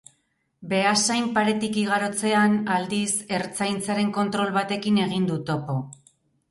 Beasain paretik igarotzean, aldiz, ertzaintzaren kontrol batekin egin du topo.